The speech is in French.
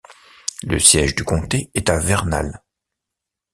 Le siège du comté est à Vernal.